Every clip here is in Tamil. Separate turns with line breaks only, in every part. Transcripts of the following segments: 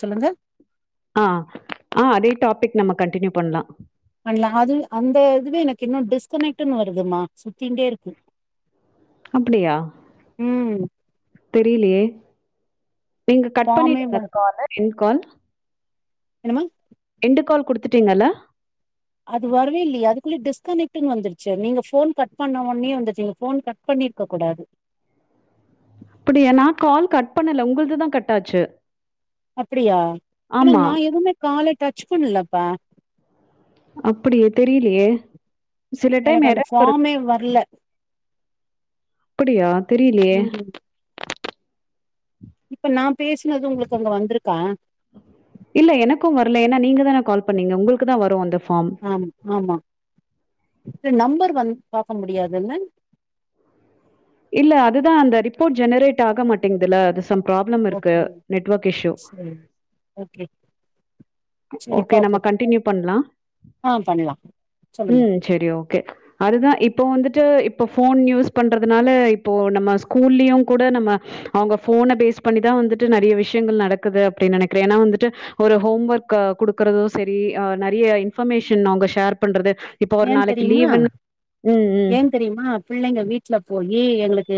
சொல்லுங்க
ஆ ஆ அதே டாபிக் நம்ப கண்டினியூ பண்லா
பண்ல்லா அது அந்த இதுவே எனக்கு இன்னோ டிஸ்கனெக்டன்னு வருதுமா சுத்தின்டே இருக்கு
அப்டியா
ம்
தெரியலயே நீங்க கட்
ஃபார்மே
பண்ணிடுங்க
வ
கால காலர் இன்கால்
என்ம்மா
எண்டு கால் குடுத்துட்டீங்கல்ல
அது வரவே இல்லயே அதுக்குள்ளே டிஸ்கனெக்ட் வந்துருச்சி நீங்க போன் கட் பண்ண உடனே வந்துருச்சிங்க போன் பன் பண்ணிருக்க கூடாது
அப்டிய நான் கால் கட் பண்ணல உங்கள்துதா கட் ஆச்சு
அப்டியா ஆனா
ஆமா.
நா எதுவுமே காலே டச் பண்ணலப்பா
அப்டியே தெரியலயே சில டைம்
எனக்கு அந்த
எறர்
ஃபார்மே வரல
அப்டியா தெரியலயே
ம் இப்ப நா பேசினது உங்களுக்கு அங்க வந்துருக்கா
இல்ல எனக்கும் வரல ஏன்னா நீங்க தானே கால் பண்ணீங்க உங்களுக்கு தான் வரும் அந்த ஃபார்ம்
ஆ ஆமா இ நம்பர் வந்து பாக்க முடியாது என்ன
இல்ல அதுதான் அந்த ரிப்போர்ட் ஜெனரேட் ஆக மாட்டேங்குதுல அது ப்ராப்ளம் இருக்கு
ஓகே
நெட்ஒர்க் இஷ்யூ
சரி ஓகே சரி
ஓகே நம்ம
பார்ப்போம்
கண்டினியூ பண்லா
ஆ பண்ணலாம் சொல்லுங்க
ம் செரி ஓகே அதுதான் இப்ப வந்துட்டு இப்ப போன் யூஸ் பண்றது அதனால இப்போ நம்ம ஸ்கூல்லயும் கூட நம்ம அவங்க ஃபோன பேஸ் பண்ணிதான் வந்துட்டு நெறைய விஷயங்கள் நடக்குது அப்டின்னு நெனைக்கிறேன் ஏனா வந்துட்டு ஒரு ஹோம் ஒர்க் குடுக்குறதும் செரி ஆஹ் நிறைய இன்பர்மேஷன் அவங்க ஷேர் பண்றது இப்போ ஒரு நாளைக்கு லீவு்ன்னு ம் ம்
தெரிமா பிள்ளைங்க வீட்டுல போயி எங்களுக்கு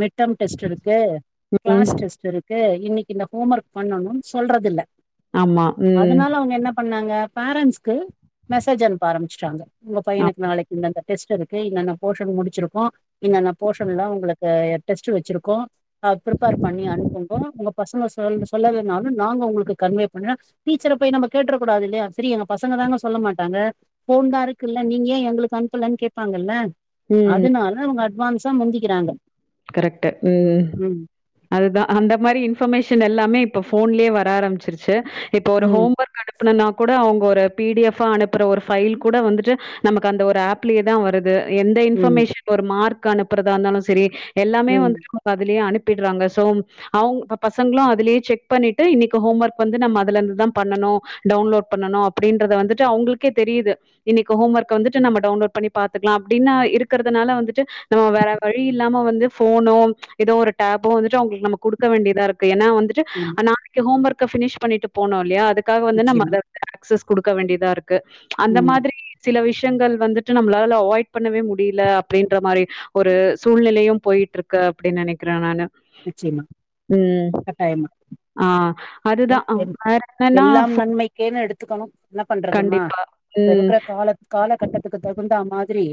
மிட் டம் டெஸ்ட் இருக்கு
ம்.
கிளாஸ் டெஸ்ட் இருக்கு இன்னைக்கு இந்த ஹோம் ஒர்க் பண்ணணும்னு சொல்றது இல்ல
ஆமா. ம்.
அதனால அவங்க என்ன பண்ணாங்க பேரன்ட்ஸ்க்கு மெசேஜ் அனுப்ப ஆரம்ச்சுட்ங்க உங்க
ஆ.
பையனுக்கு நாளைக்கு இந்த அந்த டெஸ்ட் இருக்கு இன்னன்ன போர்ஷன் முடிச்சுருக்கோம் இன்னென்ன போர்ஷன் எல்லாம் உங்களுக்கு டெஸ்ட்ட் வச்சுருக்கோ அஹ் ப்ரிப்பேர் பண்ணி அனுப்புங்க உங்க பசங்க சொ சொல்லனாலு நாங்க உங்களுக்கு கன்வே பண்ண டீச்சர போய் நம்ம கேட்டுறக் கூடாது இல்லயா சரிாங்க பசங்க தாங்க சொல்ல மாட்டாங்க போன தா இருக்கு இருகுல்ல நீங்க ஏ எங்களுக்கு அனுப்பலனு கேப்பாங்கல்ல
ம்.
அதனால அவங்க அட்வான்ஸா முந்திக்கறாங்க
கரெக்ட்டு ம் அதுதா அந்த மாரி இன்பர்மேஷன் எல்லாமே இப்ப போன்லேயே வர ஆரம்பிச்சிருச்சு இப்ப ஒரு
ம்,
ஹோம் ஒர்க் அனுப்புனும்னா கூட அவங்க ஒரு பிடிஎஃப் ஆ அனுப்பற ஒரு ஃபைல் கூட வந்துட்டு நமக்கு அந்த ஒரு ஆப்லயே தா வருது எந்த
ம்,
இன்ஃபர்மேஷன் ஒரு மார்க் அனுப்பறதா இருந்தாலும் சரி எல்லாமே
ம்,
வந்துட்டு அதுலயே அனுப்பிட்றாங்க சோ அவங்க பசங்களும் அதுலயே செக் பண்ணிட்டு இன்னைக்கு ஹோம் ஒர்க் வந்து நம்ம அதுலந்துதா பண்ணனும் டவுன்லோட் பண்ணணும் அப்டின்றத வந்துட்டு அவங்களுக்கே தெரியுது இன்னைக்கு ஹோம் ஒர்க்க வந்துட்டு நம்ம டவுன்லோட் பண்ணி பாத்துக்கலாம் அப்டின்னு இருக்கறதுனால வந்துட்டு நம்ம வேற வழி இல்லாம வந்து போனும் ஏதோ ஒரு டேபோ வந்துட்டு அவங்களுக்கு நம்ம குடுக்க வேண்டியதா இருக்கு ஏன்னா வந்துட்டு
ம்
நாளைக்கு ஹோம் ஒர்க்க ஃபினிஷ் பண்ணிட்டு போனோம் இல்லயா அதுக்காக வந்து நம்ம
நிச்சயமா.
அத வந்து ஆக்சஸ் குடுக்க வேண்டிதா இருக்கு அந்த
ம்.
மாரி சில விஷயங்கள் வந்துட்டு நம்மளால அவாய்ட் பண்ணவே முடில அப்டின்ற மாரி ஒரு சூழ்நிலயும் போயிட் டுருக்கு அப்டின்னு நனைக்கறேன் நானு
நிச்சயமா.
ம்
கட்டாயமா.
ஆ அதுதான் வேற என்ன்னா
கேு எடுத்துக்கணு என்ன பண்றதுமா இப்ப
ம்,
இருக்கற காலத் காலகட்டத்துக்கு தகுந்த மாதிரி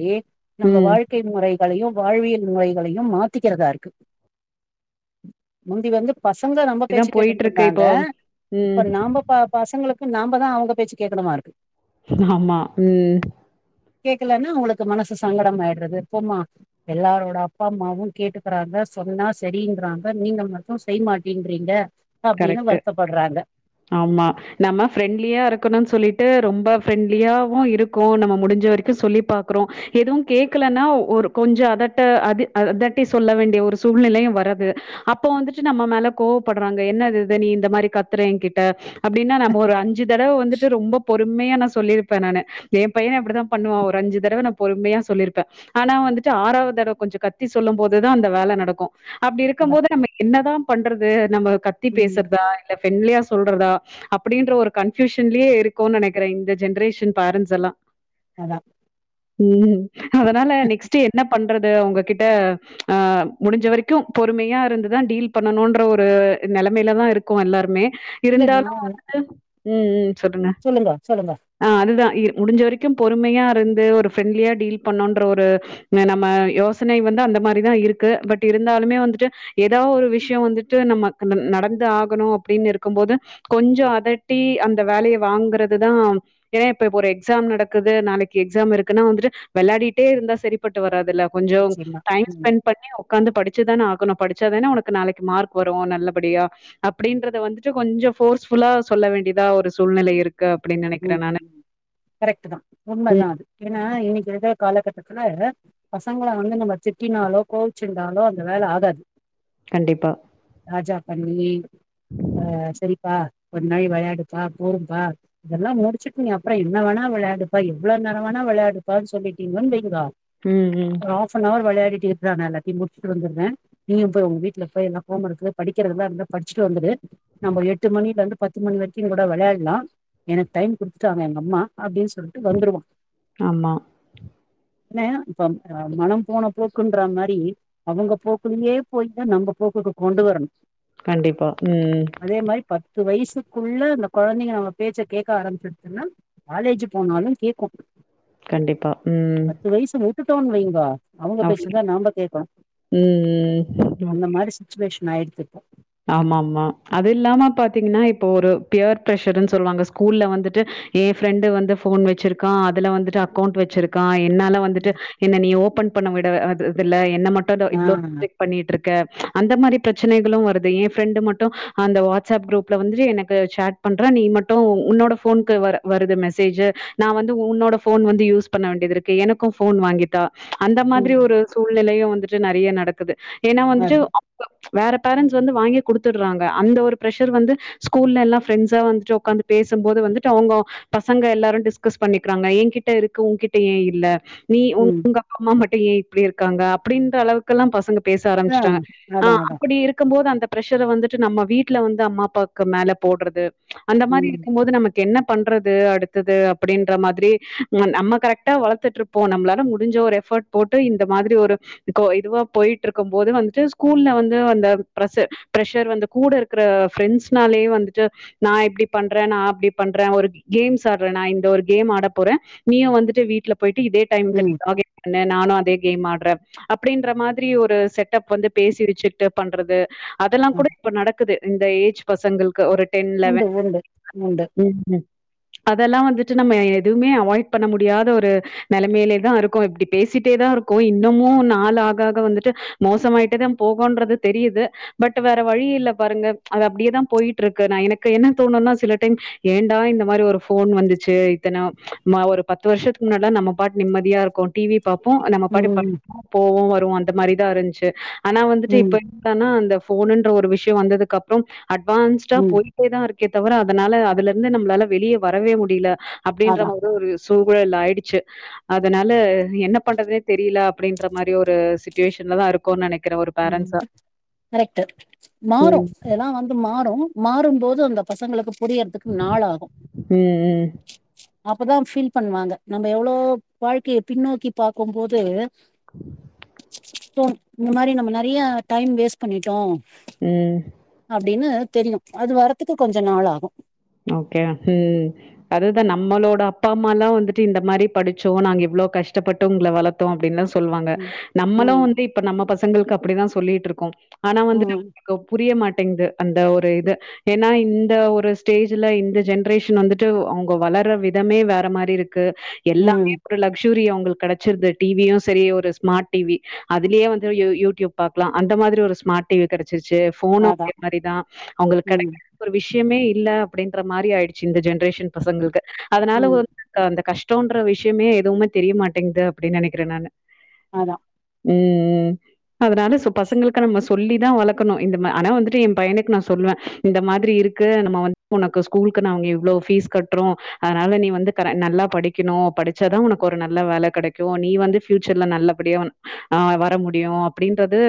நம்ம
ம்.
வாழ் க்கை முறைகளையும் வாழ்வியல் முறைகளையும் மாத்திக்கறதா இருக்கு முந்தி வந்து பசங்க நம்ப பேச்சு
இதான்
கேட்டுட்டு
போயிட்டுருக்கு
இருந்தாங்க
இப்போ. ம்.
இப்ப நாம பசங்களுக்கு நாமதான் அவங்க பேச்சு கேக்கணுமா இருக்கு
ஆமா ம்
கேக்கலன்னா அங்களுக்கு மனசு சங்கடம் ஆயிட்றது போமா எல்லாரோட அப்பா அம்மாவும் கேட்டுக்கறாங்க சொன்னா சரின்றாங்க நீங்க மட்டு செய்ய மாட்டன்றீங்க அப்டின்னு
கரெக்ட்.
வருத்தப்படுறாங்க
ஆமா நம்ம ஃப்ரெண்ட்லியா இருக்கணும்னு சொல்லிட்டு ரொம்ப ஃப்ரெண்ட்லியாவும் இருக்கோ நம்ம முடிஞ்ச வரைக்கு சொல்லி பாக்கறோம் எதுவு கேக்கலன்னா ஒரு கொஞ்ச அதட்ட அது அதட்டி சொல்ல வேண்டிய ஒரு சூழ்நெலயும் வரது அப்போ வந்துட்டு நம்ம மேல கோவப்படுறாங்க என்ன இது நீ இந்த மாதிரி கத்துற என்கிட்ட அப்டின்னா நம்ம ஒரு அஞ்சு தடவ வந்துட்டு ரொம்ப பொறுமையா நா சொல்லியிருப்பேன் நானு எ பையனு இப்டிதா பண்ணுவான் ஒரு அஞ்சு தடவ நா பொறுமையா சொல்லிருப்பே ஆனா வந்துட்டு ஆறாவது தடவ கொஞ்ச கத்தி சொல்லும் போதுதா அந்த வேல நடக்கு அப்டி இருக்கும்
அதான்
போது நம்ம என்னதா பண்றது நம்ம கத்தி
ம்
பேசறதா இல்ல ஃப்ரெண்ட்லியா சொல்றதா அப்டின்ற ஒரு கன்பியூஷன்லயே இருக்கோனு நனைக்கறேன் இந்த ஜென்ரேஷன் பேரண்ட்ஸ் எல்லாம்
அதான்
ம் அதனால நெக்ஸ்ட் என்ன பண்றது உங்ககிட்ட ஆ முடிஞ்ச வரைக்கும் பொறுமையா இருந்து தான் டீல் பண்ணணும்ன்ற ஒரு நிலைமையில தான் இருக்கோ எல்லாருமே
இல்ல
இருந்தாலும்
நான்
வந்துட்டு ம் ம் சொல்லுங்க
சொல்லுங்க சொல்லுங்க
ஆ அதுதான் முடிஞ்ச வரைக்கும் பொறுமையா இருந்து ஒரு ஃப்ரெண்ட்லியா டீல் பண்ணுன்ற ஒரு இங்க நம்ம யோசனை வந்து அந்த மாரிதான் இருக்கு பட் இருந்தாலுமே வந்துட்டு ஏதா ஒரு விஷயம் வந்துட்டு நம்ம நடந்து ஆகணும் அப்டின்னு இருக்கும்போது கொஞ்சம் அதட்டி அந்த வேலையை வாங்குறதுதான் ஏனா இப்ப ஒரு எக்ஸாம் நடக்குது நாளைக்கு எக்ஸாம் இருக்குன்னா வந்துட்டு விளையாடிட்டே இருந்தா செரிப்பட்டு வராது இல்ல கொஞ்சம்
நிச்சயமா
டைம்
ம்
ஸ்பெண்ட் பண்ணி உட்காந்து படிச்சுதானே ஆகணும் படிச்சாத தானே உனக்கு நாளைக்கு மார்க் வரும் நல்ல படியா அப்டின்றத வந்துட்டு கொஞ்சோ போர்ஸ்புல்லா சொல்ல வேண்டியதா ஒரு சூழ்நிலை இருக் க்கு அப்டின்னு
ம்
நெனைக்கிறேன் நானு.
கரெக்ட் தான் உண்மதா
ம்
அது ஏன்னா இன்னைக்கு இருக்க காலகட்டத்துல பசங்கள வந்து நம்ம திட்டினாலோ கோவிச்சந்தாலோ அந்த வேல ஆகாது
கண்டிப்பா
தாஜா பண்ணி ஆ சரிப்பா ஒரு கொஞ்ச நாழி விளையாடுப்பா போதும்பா இதெல்லாம் முடிச்சுட்ட நீங்க அப்பறம் என்ன வேணா விளையாடுப்பா எவ்ளோ நேரோ வேணா விளையாடுப்பா சொல்லிட்டீங்கோ வைங்கோ
ம் ம்
கொஞ்ச நேரம் விளையாடிட்டு இருடா நா எல்லாத்தையும் முடிச்சுட்டு வந்துற நீயும் போய் உங்க வீட்ல போய் எல்லாம் ஹோம்ஒர்க்கு படிக்கிறதெல்லாம் இருந்த படிச்சுட்டு வந்துரு நம்ம எட்டு மணில இருந்து பத்து மணி வரைக்கும் கூட விளையாடலாம் எனக்கு டைம் குடுத்துட்டாங்க எங்க அம்மா அப்டின்னு சொல்லிட்டு வந்துருவான்
ஆமா
என்ன இப்ப மனம் போன போக்குன்ற மாதிரி அவங்க போக்குலயே போய்தான் நம்ம போக்குக்கு கொண்டு வரணும்
கண்டிப்பா ம்
அதே மாரி பத்து வயசுக்குள்ள அந்த குழந்தைங்க நம்ம பேச்ச கேட்க ஆரம்பிச்சிருதுன்னா காலேஜ் போனாலும் கேட்கும்
கண்டிப்பா. ம்.
பத்து வயசு உட்டுடோன் வைங்க அவங்க
அவ்
பேச்ச தான் நாம கேக்கனும்
ம்.
அந்த மாரி சுச்சுவேஷன் ஆயிடுச்சி இப்போ
ஆமா ஆமா அது இல்லாம பாத்தீங்கன்னா இப்போ ஒரு பியர் பிர்ஷர்ன்னு சொல்லுவாங்க ஸ்கூல்ல வந்துட்டு என் ஃப்ரெண்டு வந்து போன் வச்சிருக்கான் அதுல வந்துட்டு அக்கௌண்ட் வச்சிருக்கான் என்னால வந்துட்டு
ம்.
என்ன நீ ஓபன் பண்ண விட இதுல என்ன மட்டும்
ஆ
இவ்ளோ பண்ணிட்ருக்க அந்த மாரி பிரச்சனைகளும் வருது என் ஃப்ரெண்டு் மட்டும் அந்த வாட்ஸ் அப் குரூப்ல வந்து எனக்கு சேட் பண்ற நீ மட்டும் உன்னோட போனுக்கு வர வருது மெசேஜ் நான் வந்து உன்னோட போன் வந்து யூஸ் பண்ண வேண்டியது இருக்கு எனக்கும் போன் வாங்கி அந்த மாதிரி
ம்
ஒரு சூழ்நிலையும் வந்துட்டு நிறைய நடக்குது ஏன்னா வந்துட்டு
வருது
அ வேற பேரண்ட்ஸ் வந்து வாங்கி குடுத்துடுறாங்க அந்த ஒரு பிர்ரஷர் வந்து ஸ்கூல்ல எல்லாம் ஃப்ரெண்ட்ஸா வந்துட்டு உக்காந்து பேசும்போது வந்துட்டு அவுங்க பசங்க எல்லாரும் டிஸ்கஸ் பண்ணிக்கிறாங்க என்கிட்ட இருக்கு உங்க்கிட்ட ஏன் இல்ல நீ உ
ம்
உங்க அப்பா அம்மா மட்டும் ஏன் இப்டி இருக்காங்க அப்டின்ற அளவுக்குல்லாம் பசங்க பேச
ஆ
ஆரம்பிச்சிட்டாங்க ஆ
அதா அதா
அப்டி இருக் இருக்கும் போது அந்த பிரஷர் வந்துட்டு நம்ம வீட்ல வந்து அம்மா அப்பாவுக்கு மேல போடுறது அந்த மாரி
ம்
இருக்கும்போது நம்ம என்ன பண்றது அடுத்தது அப்டின்ற மாதிரி ம்ம நம்ம கரெக்டா வளத்துட்டு இரு ப்போ நம்மளால முடிஞ்ச ஒரு எஃபோட் போட்டு இந்த மாதிரி ஒரு [unintelligible] இதுவா போய்ட்டு இருக்கு போது வந்துட்டு ஸ்கூல்ல வந்து வந்த ப்ரஷு ப்ரஷர் வந்து கூட இருக்குற ஃப்ரெண்ட்ஸ்னாலயே வந்துட்டு நா எப்டி பண்றே நா அப்டி பண்றே ஒரு கேம்ஸ்ஸு ஆடுறே நா இந்த ஒரு கேம் ஆட போறே நீயு வந்துட்டு வீட்ல போய்ட்டு இதே டைம்க்கு நீ
ம்
லாகின் நானு அதே கேம் ஆடுறே அப்டின்ற மாதிரி ஒரு செட்டப் வந்து பேசி வச்சுகிட்டு பண்றது அதெல்லா கூட
அதா
இப்ப நடக்குது இந்த ஏஜ் பசங்களுக்கு ஒரு டென்
உண்டு
லெவன்
உண்டு உண்டு
[inaudible] ம் அதெல்லா வந்துட்டு நம்ம எதுவுமே அவாய்ட் பண்ண முடியாத ஒரு நெலமையிலே தா இருக்கோ இப்டி பேசிட்டே தா இருக்கோ இன்னமு நாள் ஆக ஆக வந்துட்டு மோசமாயிட்டே தா போகுன்றது தெரியுது பட் வேற வழி இல்ல பாருங்க அது அப்டியேதா போய்ட்டு இருக்கு நா எனக்கு என்ன தோணுனா சில டைம் ஏண்டா இந்த மாதிரி ஒரு ஃபோன் வந்துச்சு இத்தன மா ஒரு பத்து வருஷத்துக்கு முன்னல்லா நம்ம பாட்டு நிம்மதியா இருக்கோ டி வி பாப்போ நம்ம பாட்டுக்கு
ம்
படிப்போ போவோ வருவோ அந்த மாரிதா இருந்துச்சு ஆனா வந்துட்டு
ம்
இப்ப எ ன்னா அந்த ஃபோனுன்ற ஒரு விஷ்ய வந்ததுக்கு அப்பறோ அட்வான்ஸ்டா
ம்
போயி தா இருக்கே தவிர அதனால அதுல இருந்து நம்பளால வெளிய வரவே முடியில அப்டின்ற
அதா
மாதிரி ஒரு சூழல் ஆயிடுச்சு அதனால என்ன பண்றதுனே தெரியில அப்டின்ற மாரி ஒரு சிட்டுவேஷன்லதா இருக் கோனு நெனைக்கிறே ஒரு
ம்
பேரண்ட்ஸா
கரெக்ட்டு மாறு
ம்.
எல்லா வந்து மாறு மாறுபோது அந்த பசங்களுக்கு புரியறதுக்கு நாள் ஆகு
ம், ம்,
அப்பதா ஃபீல் பண்ணுவாங்க நம்ம எவ்ளோ வாழ்க்கைய பின்னோக்கி பாக்கு போது இந்த மாரி நம்ம நெறயா டைம் வேஸ்ட் பண்ணிட்டோ
ம்
அப்டின்னு தெரியு அது வர்றதுக்கு கொஞ்ச நாள் ஆகு
ஓகே ம் அதுதா நம்மளோட அப்பா அம்மாலா வந்துட்டு இந்த மாரி படிச்சோ நாங்க இவ்ளோ கஷ்டப்பட்டு உங்கள வளத் தோ அப்டின்ல சொல்வாங்க
ம்
நம்மளு
ம்
வந்து இப்ப நம்ம பசங்களுக்கு அப்டிதா சொல்லிட்டு இருக்கோ ஆனா வந்து [inaudible]
ம்
ளுக்கு புரிய மாட்டேங்குது அந்த ஒரு இது ஏன்னா இந்த ஒரு ஸ்டேஜ்ல இந்த ஜென்ரேஷன் வந்துட்டு அவுங்க வளர்ற விதமே வேற மாரி இருக்கு
ம்
எல்லாமே ஒரு லக்சுரி அவுங்களுக்கு கடைச்சிருது டி வி யு சரி ஒரு ஸ்மார்ட் டி வி அதுலயே வந்து யூ யூடியூப் பாக்கலா அந்த மாதிரி ஒரு ஸ்மார்ட் டி வி கெடச்சிருச்சு ஃபோனு
அதா
அதே மாரி தா அவுங்களுக்கு
ம்
கெடைக்காத ஒரு விஷ்யமே இல்ல அப்டின்ற மாரி ஆயிடுச்சு இந்த ஜென்ரேஷன் பசங்களுக்கு அதனால
ம்
ஒரு [unintelligible] அந்த கஷ்டம்ன்ற விஷ்யமே எதுவுமே தெரியமாட்டேங்குது அப்டின்னு நெனைக்கிறே நானு
அதா
ம் ம் அதனால சோ பசங்களுக் கு நம்ம சொல்லி தா வளக்கணு இந்தமா ஆனா வந்துட்டு எ பையனுக்கு நா சொல்வ இந்த மாதிரி இருக்கு நம்ம வந் உனக்கு ஸ்கூலுக்கு நாங்க இவ்ளோ ஃபீஸ் கட்றோ அதனால நீ [inaudible] வந்து நல்லா படிக்கணு படிச்சாதா உனக்கு ஒரு நல்ல வேல கெடைக்கு நீ வந்து ஃபியூச்சர்ல நல்ல படியா ஒன் ஆ வர முடியு அப்டின்றது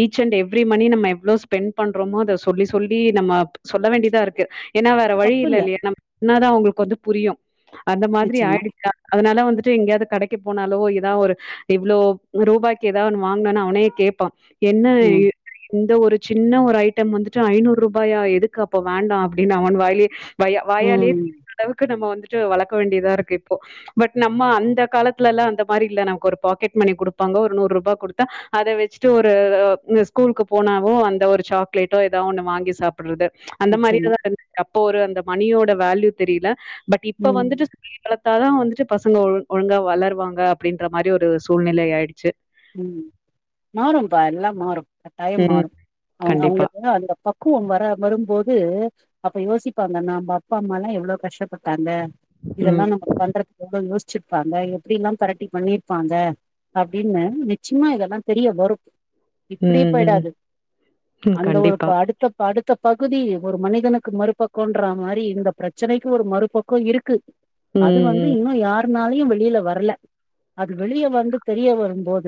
ஈச் அண்ட் எவ்ரி மணி நம்ம எவ்ளோ ஸ்பெண்ட் பண்றோமோ அத சொல்லி சொல்லி நம்ம சொல்ல வேண்டியதா இருக்கு ஏனா வேற வழி இல்ல
தப்பில்ல
இல்லியா நம்ம சொன்னா தா அவுங்களுக்கு வந்து புரியு அந்த மாதிரி
நிச்சயமா
ஆய்டுச்சா அதனால வந்துட்டு எங்கேயாது கடைக்கு போனாலோ எதா ஒரு இவ்ளோ ரூபாய்க்கு ஏதாவ் ஒன்னு வாங்குனான்னா அவனே கேப்பா என்ன
ம்
இந்த ஒரு சின்ன ஒரு ஐட்டம் வந்துட்டு ஐநூரூபாயா எதுக்கு அப்ப வேண்டா அப்டின்னு அப்டின்னு அவன் வாய்லே வ வாயாலே
ம்
அளவுக்கு நம்ம வந்துட்டு வளக்க வேண்டியதா இருக்கு இப்போ பட் நம்ம அந்த காலத்துல எல்லா அந்த மாரி இல்ல நமக்கு ஒரு பாக்கெட் மணி கொடுப்பாங்க ஒரு நூரூபா கொடுத்தா அத வச்சுட்டு ஒரு ஸ்கூலுக்கு போனாவு அந்த ஒரு சாக்லேட்டோ ஏதா ஒண்ணு வாங்கி சாப்பிட்றது அந்த
நிச்சயமா
மாரியதா இருந்துச்சு அப்போ ஒரு அந்த மணியோட வேல்யூ தெரியல பட் இப்ப
ம்
வந்துட்டு வளத்தாதா வந்துட்டு பசங்க ஒ ஒழுங்கா வளர்வாங்க அப்டின்ற மாரி ஒரு சூழ்நிலை ஆயிடுச்சு
ம் மாறும்பா எல்லா மாறு கட்டாயம்
ம்
மாறு அவ
கண்டிப்பா
அவங்களுக்கு அந்த பக் பக்குவம் வர வரும்போது அப்ப யோசிப்பாங்க நா நம் அப்பா அம்மாலா எவ்ளோ கஷ்டப்பட்டாங்க இதெல்லா
ம்
நம்ம பண்றதுக்கு எவ்ளோ யோசிச்சிருப்பாங்க எப்டிலா தெரட்டி பண்ணிருப்பாங்க அப்டின்னு நிச்சயமா இதெல்லா தெரிய வரு இப்டி
ம் ம்
போய்டாது
ம்
அந்த ஒரு
கண்டிப்பா
அடுத்த இப்ப அடுத்த பகுதி ஒரு மனிதனுக்கு மறுபக்கன்ற மாரி இந்த பிரச்சனைக்கு ஒரு மறுபக்கோ இருக்கு அது
ம்
வந்து
ம்
இன்னு யாருனாலயு வெளியில வர்ல அது வெளிய வந்து தெரிய வரும்போது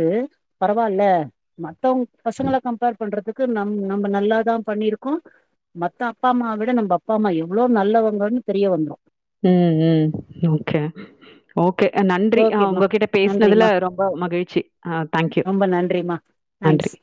பரவால்ல மத்தவங்க பசங்கள கம்பேர் பண்றதுக்கு நம் நம்ம நல்லாதா பண்ணிருக்கோ மத்த அப்பா அம்மாவ விட நம்ம அப்பா அம்மா எவ்ளோ நல்லவங்கன்னு தெரிய வந்துரு
ம் ம் ஓகே ஓகே நன்றி
ஓகேம்மா
உங்ககிட்ட பேசனதுல
நன்றிம்மா
ரொம்ப மகிழ்ச்சி அ தேங்க்யூ
ஏமா
நன்றி
தேங்க்ஸ்